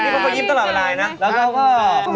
นั่นแหละนี่เขาก็ยิบตลอดลายนะแล้วก็น่ารัก